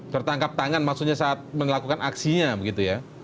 tertangkap tangan maksudnya saat melakukan aksinya begitu ya